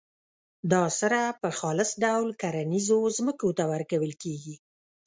دا سره په خالص ډول کرنیزو ځمکو ته ورکول کیږي.